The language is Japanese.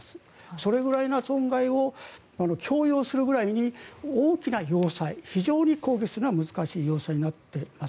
それぐらいの損害を許容するぐらいに大きな要塞非常に攻撃するのが難しい要塞になっています。